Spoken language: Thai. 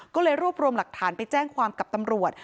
ก็เลยรวบรวมหลักฐานไปแจ้งความกับตำรวจ